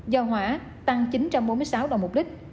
giao hỏa tăng chín trăm bốn mươi sáu đồng một lít